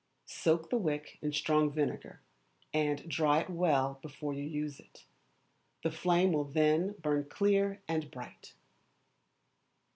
Soak the wick in strong vinegar, and dry it well before you use it; the flame will then burn clear and bright.